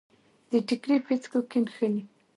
د ټیکري پیڅکو کې نښلي